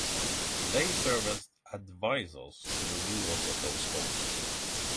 They serve as advisors to the rulers of those folk.